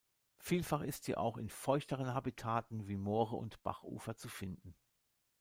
Vielfach ist sie auch in feuchteren Habitaten wie Moore und Bachufer zu finden.